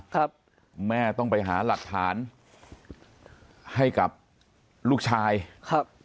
ครับแม่ต้องไปหาหลักฐานให้กับลูกชายครับ